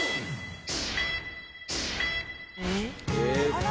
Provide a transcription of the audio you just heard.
あら。